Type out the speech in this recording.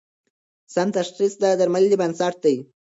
سم تشخیص د درملنې بنسټ دی.